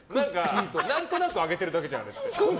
何となくあげてるだけじゃんあれ。